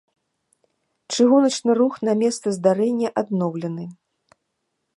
Чыгуначны рух на месцы здарэння адноўлены.